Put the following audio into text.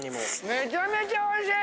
めちゃめちゃおいしい！